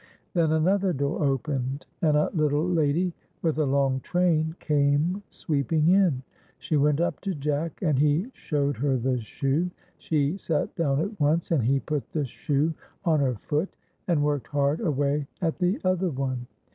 Then another door opened, and a little lady with a long train came sweeping in. She went up to Jark. and he showed her the shoe. She sat down at once, and he put the shoe on her foot, and worked hard away at the other one.